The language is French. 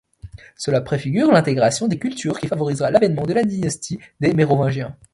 Cela préfigure l'intégration des cultures qui favorisera l'avènement de la dynastie des Mérovingiens.